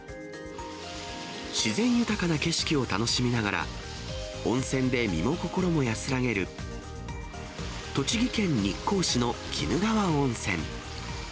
自然豊かな景色を楽しみながら、温泉で身も心も安らげる、栃木県日光市の鬼怒川温泉。